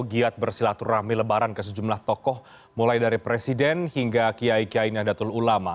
giat bersilaturahmi lebaran ke sejumlah tokoh mulai dari presiden hingga kiai kiai nadatul ulama